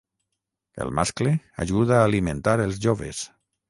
El mascle ajuda a alimentar els joves.